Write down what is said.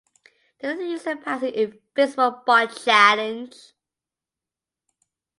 Did the user pass an invisible bot challenge?